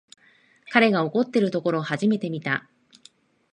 彼が怒ってるところ初めて見た